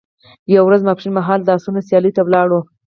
یوه ورځ ماپښین مهال د اسونو سیالیو ته ولاړو.